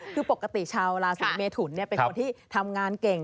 คือปกติชาวราศีเมทุนเป็นคนที่ทำงานเก่ง